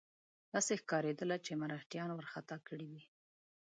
داسې ښکارېدله چې مرهټیان وارخطا کړي وي.